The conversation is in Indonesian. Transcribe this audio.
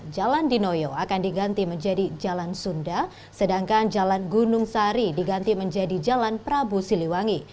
jalan dinoyo akan diganti menjadi jalan sunda sedangkan jalan gunung sari diganti menjadi jalan prabu siliwangi